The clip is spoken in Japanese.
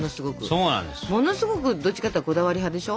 ものすごくどっちかっていうとこだわり派でしょ。